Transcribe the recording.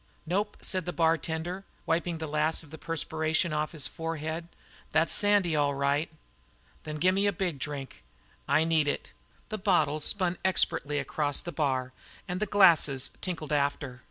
"Nope," said the bartender, wiping the last of the perspiration from his forehead, "that's Sandy, all right." "Then gimme a big drink. I need it." The bottle spun expertly across the bar, and the glasses tinkled after.